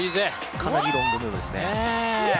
かなりロングムーブですね。